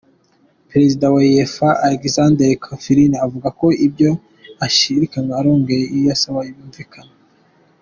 Prezida wa Uefa Aleksander Ceferin avuga ko ivyo ishirahamwe arongoye risaba "vyumvikana".